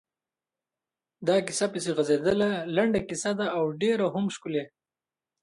دا کیسه پسې غځېدلې ده، لنډه کیسه ده او ډېره هم ښکلې.